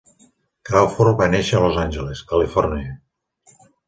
Crawford va néixer a Los Angeles, Califòrnia.